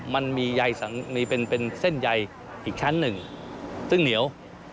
มันมีใยเป็นเส้นใยอีกชั้นหนึ่งซึ่งเหนียว